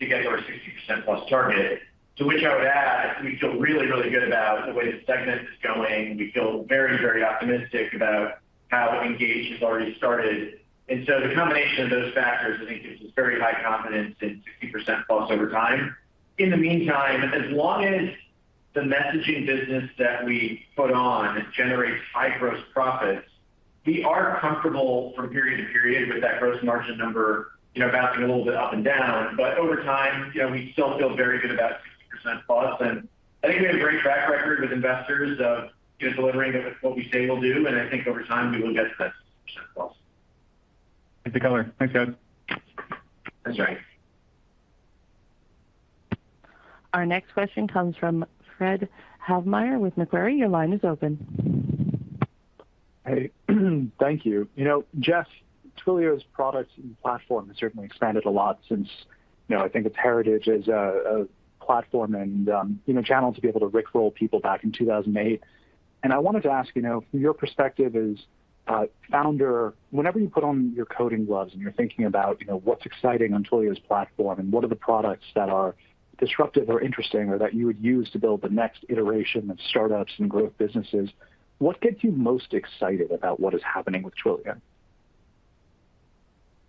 to get to our 60%+ target. To which I would add, we feel really, really good about the way the segment is going. We feel very, very optimistic about how Engage has already started. The combination of those factors, I think, gives us very high confidence in 60% plus over time. In the meantime, as long as the messaging business that we put on generates high gross profits, we are comfortable from period to period with that gross margin number, you know, bouncing a little bit up and down. Over time, you know, we still feel very good about 60% plus. I think we have a great track record with investors of delivering what we say we'll do, and I think over time we will get to that 60% plus.
It's a color. Thanks, guys.
Thanks, Ryan.
Our next question comes from Fred Havemeyer with Macquarie. Your line is open.
Hey, thank you. You know, Jeff, Twilio's products and platform has certainly expanded a lot since, you know, I think its heritage as a platform and, you know, channel to be able to rickroll people back in 2008. I wanted to ask, you know, from your perspective as a founder, whenever you put on your coding gloves and you're thinking about, you know, what's exciting on Twilio's platform and what are the products that are disruptive or interesting or that you would use to build the next iteration of startups and growth businesses, what gets you most excited about what is happening with Twilio?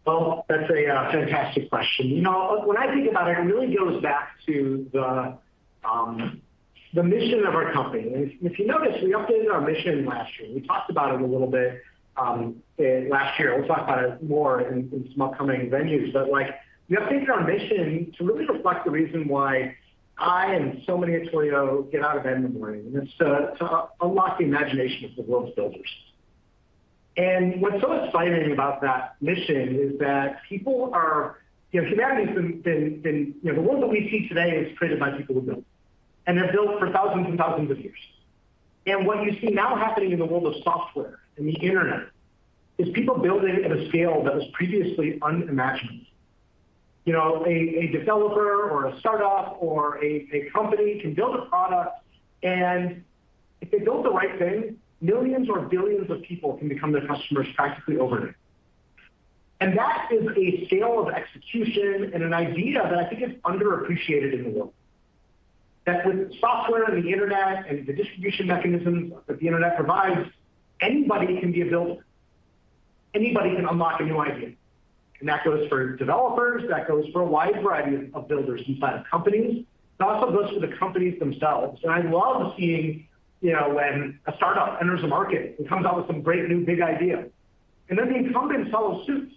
Well, that's a fantastic question. You know, when I think about it really goes back to the mission of our company. If you notice, we updated our mission last year. We talked about it a little bit last year. We'll talk about it more in some upcoming venues. Like, we updated our mission to really reflect the reason why I and so many at Twilio get out of bed in the morning, and it's to unlock the imagination of the world's builders. What's so exciting about that mission is that people are, you know, humanity's been. You know, the world that we see today was created by people who build, and they've built for thousands and thousands of years. What you see now happening in the world of software and the internet is people building at a scale that was previously unimaginable. You know, a developer or a startup or a company can build a product, and if they build the right thing, millions or billions of people can become their customers practically overnight. That is a scale of execution and an idea that I think is underappreciated in the world, that with software and the internet and the distribution mechanisms that the internet provides, anybody can be a builder. Anybody can unlock a new idea. That goes for developers, that goes for a wide variety of builders inside of companies. It also goes for the companies themselves. I love seeing, you know, when a startup enters a market and comes out with some great new big idea, and then the incumbents follow suit,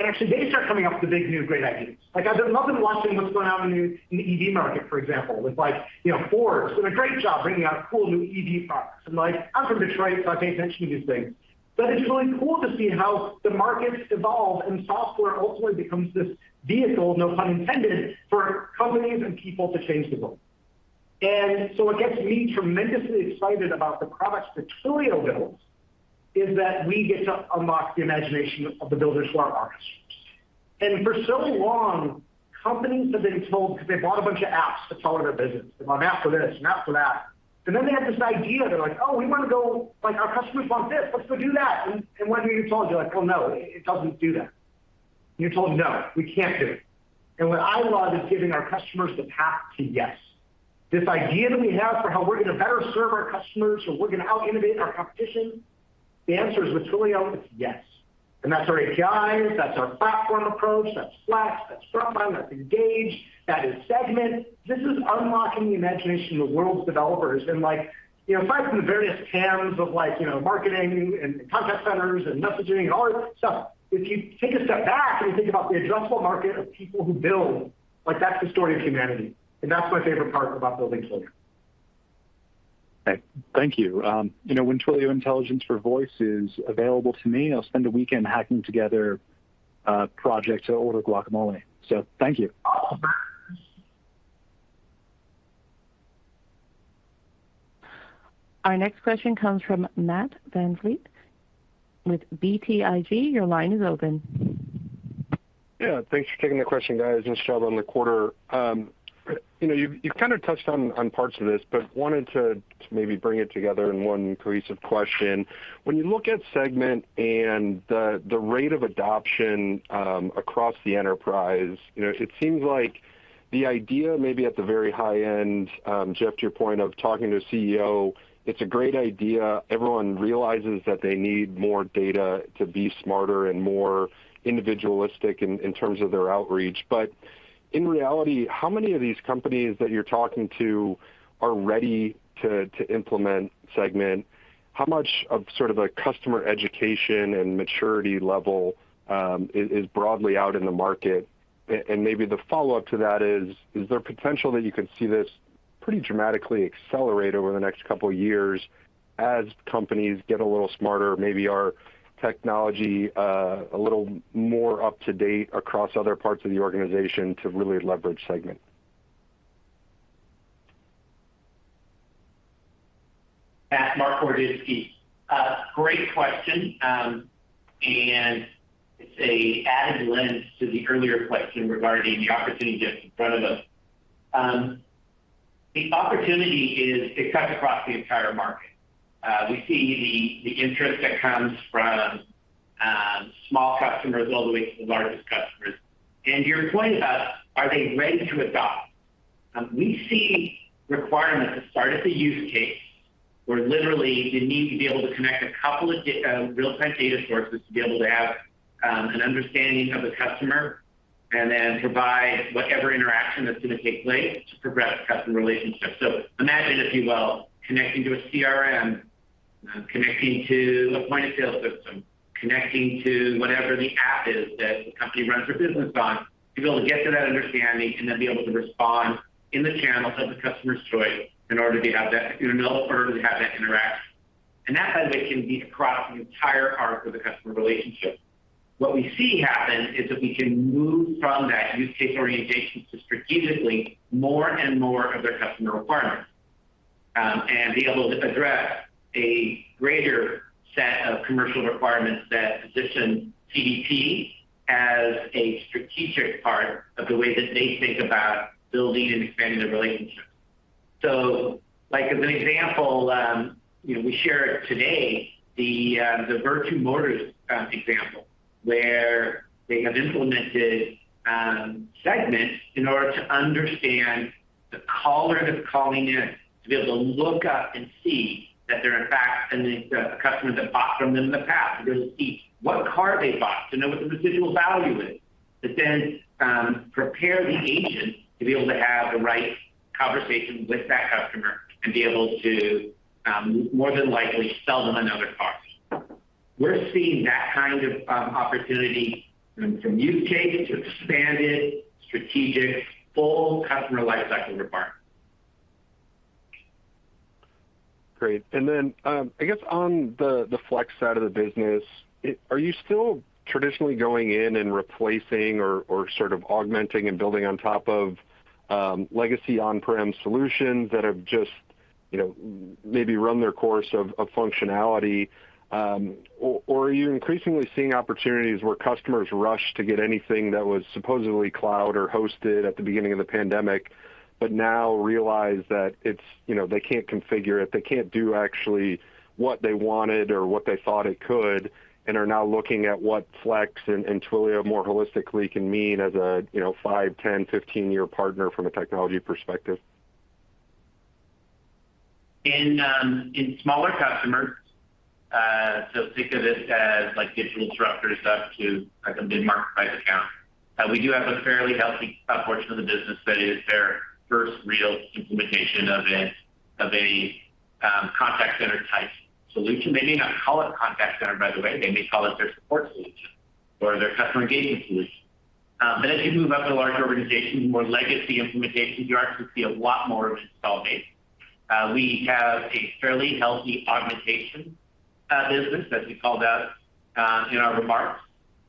and actually they start coming up with the big new great ideas. Like, I've been loving watching what's going on in the, in the EV market, for example, with like, you know, Ford's doing a great job bringing out cool new EV products. Like, I'm from Detroit, so I pay attention to these things. It's really cool to see how the markets evolve and software ultimately becomes this vehicle, no pun intended, for companies and people to change the world. What gets me tremendously excited about the products that Twilio builds is that we get to unlock the imagination of the builders who are our customers. For so long, companies have been told, because they bought a bunch of apps to power their business. They bought an app for this, an app for that. Then they had this idea, they're like, "Oh, we want to go. Like, our customers want this. Let's go do that." When you're told, you're like, "Well, no, it doesn't do that." You're told, "No, we can't do it." What I love is giving our customers the path to yes. This idea that we have for how we're going to better serve our customers or we're going to out-innovate our competition, the answer is with Twilio, it's yes. That's our APIs, that's our platform approach, that's Flex, that's Frontline, that's Engage, that is Segment. This is unlocking the imagination of the world's developers. Like, you know, apart from the various TAMs of like, you know, marketing and contact centers and messaging and all that stuff, if you take a step back and you think about the addressable market of people who build, like, that's the story of humanity, and that's my favorite part about building Twilio.
Thank you. You know, when Twilio Voice Intelligence is available to me, I'll spend a weekend hacking together a project to order guacamole. Thank you.
Our next question comes from Matt VanVliet with BTIG. Your line is open.
Yeah, thanks for taking the question, guys, and Sheldon, the quarter. You've kind of touched on parts of this, but wanted to maybe bring it together in one cohesive question. When you look at Segment and the rate of adoption across the enterprise, it seems like the idea maybe at the very high end, Jeff, to your point of talking to a CEO, it's a great idea. Everyone realizes that they need more data to be smarter and more individualistic in terms of their outreach. In reality, how many of these companies that you're talking to are ready to implement Segment? How much of sort of a customer education and maturity level is broadly out in the market? Maybe the follow-up to that is there potential that you could see this pretty dramatically accelerate over the next couple of years as companies get a little smarter, maybe our technology, a little more up to date across other parts of the organization to really leverage Segment?
Matt, Marc Boroditsky. Great question. It's an added lens to the earlier question regarding the opportunity that's in front of us. The opportunity is, it cuts across the entire market. We see the interest that comes from small customers all the way to the largest customers. Your point about are they ready to adopt? We see requirements that start at the use case, where literally you need to be able to connect a couple of real-time data sources to be able to have an understanding of the customer and then provide whatever interaction that's gonna take place to progress customer relationships. Imagine, if you will, connecting to a CRM, connecting to a point-of-sale system, connecting to whatever the app is that the company runs their business on, to be able to get to that understanding and then be able to respond in the channels of the customer's choice in order to have that interaction. That logic can be across the entire arc of the customer relationship. What we see happen is that we can move from that use case orientation to strategically more and more of their customer requirements, and be able to address a greater set of commercial requirements that position CDP as a strategic part of the way that they think about building and expanding their relationship. Like, as an example, you know, we shared today the Vertu Motors example, where they have implemented Segment in order to understand the caller that's calling in to be able to look up and see that they're in fact a customer that bought from them in the past. To be able to see what car they bought, to know what the residual value is, to then prepare the agent to be able to have the right conversation with that customer and be able to more than likely sell them another car. We're seeing that kind of opportunity from use case to expanded strategic full customer lifecycle requirements.
Great. I guess on the Flex side of the business, are you still traditionally going in and replacing or sort of augmenting and building on top of legacy on-prem solutions that have just, you know, maybe run their course of functionality? Or are you increasingly seeing opportunities where customers rush to get anything that was supposedly cloud or hosted at the beginning of the pandemic, but now realize that it's, you know, they can't configure it, they can't do actually what they wanted or what they thought it could, and are now looking at what Flex and Twilio more holistically can mean as a, you know, five, 10, 15-year partner from a technology perspective?
In smaller customers, so think of this as like digital disruptors up to like a mid-market size account, we do have a fairly healthy portion of the business that is their first real implementation of a contact center type solution. They may not call it a contact center, by the way. They may call it their support solution or their customer engagement solution. As you move up to larger organizations with more legacy implementations, you are actually see a lot more of installed base. We have a fairly healthy augmentation business, as we called out in our remarks,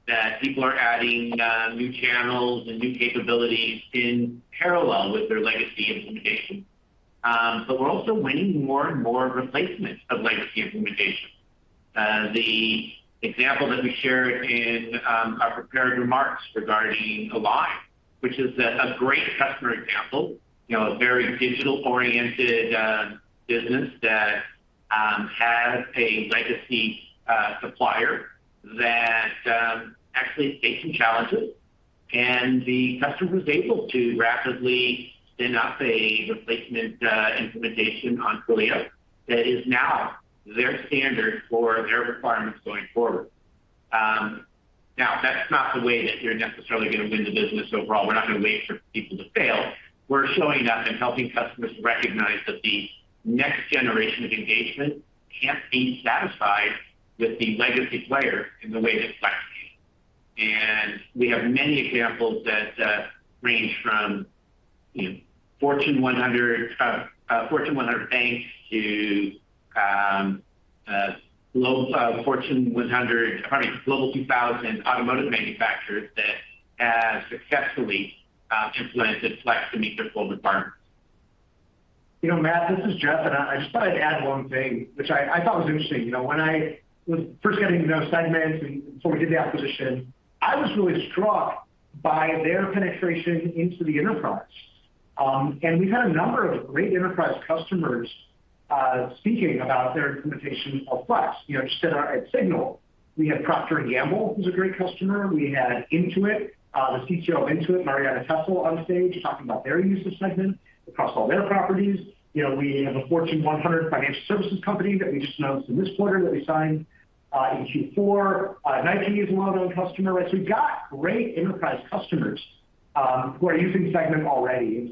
that people are adding new channels and new capabilities in parallel with their legacy implementation. We're also winning more and more replacements of legacy implementation. The example that we shared in our prepared remarks regarding Align, which is a great customer example. You know, a very digital-oriented business that had a legacy supplier that actually faced some challenges. The customer was able to rapidly spin up a replacement implementation on Twilio that is now their standard for their requirements going forward. Now that's not the way that you're necessarily gonna win the business overall. We're not gonna wait for people to fail. We're showing up and helping customers recognize that the next generation of engagement can't be satisfied with the legacy player in the way that Flex can. We have many examples that range from, you know, Fortune 100 banks to Global Fortune 100. Pardon me, Global 2000 automotive manufacturers that have successfully implemented Flex to meet their full requirements.
You know, Matt, this is Jeff, and I just thought I'd add one thing which I thought was interesting. You know, when I was first getting to know Segment and before we did the acquisition, I was really struck by their penetration into the enterprise. We've had a number of great enterprise customers speaking about their implementation of Flex. You know, just at our SIGNAL, we had Procter & Gamble, who's a great customer. We had Intuit, the CTO of Intuit, Marianna Tessel, on stage talking about their use of Segment across all their properties. You know, we have a Fortune 100 financial services company that we just announced in this quarter that we signed in Q4. Nike is a well-known customer. Right? So we've got great enterprise customers who are using Segment already.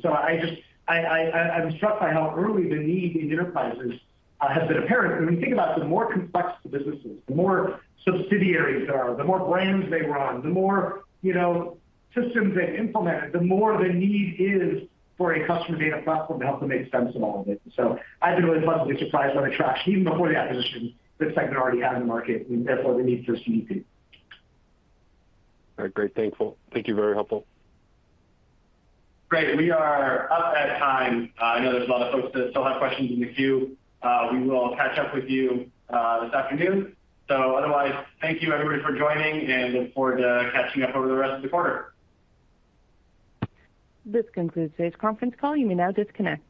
I'm struck by how early the need in enterprises has been apparent. When we think about the more complex the business is, the more subsidiaries there are, the more brands they run, the more, you know, systems they've implemented, the more the need is for a customer data platform to help them make sense of all of it. I've been really pleasantly surprised on the traction, even before the acquisition, that Segment already had in the market and therefore the need for CDP.
All right. Great. Thankful. Thank you. Very helpful.
Great. We are up at time. I know there's a lot of folks that still have questions in the queue. We will catch up with you this afternoon. Otherwise, thank you everybody for joining, and look forward to catching up over the rest of the quarter.
This concludes today's conference call. You may now disconnect.